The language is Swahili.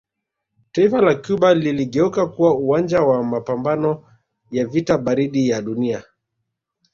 Taifa la Cuba liligeuka kuwa uwanja wa mapamabano ya vita baridi vya dunia